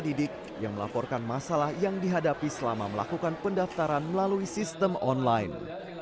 didik yang melaporkan masalah yang dihadapi selama melakukan pendaftaran melalui sistem online